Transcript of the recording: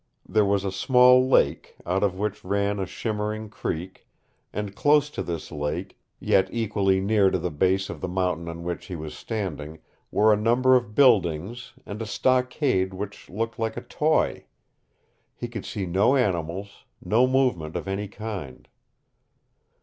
There was a small lake out of which ran a shimmering creek, and close to this lake, yet equally near to the base of the mountain on which he was standing, were a number of buildings and a stockade which looked like a toy. He could see no animals, no movement of any kind.